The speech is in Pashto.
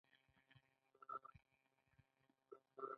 د فلزاتو څخه مخکې انسانانو بله لویه لاسته راوړنه درلوده.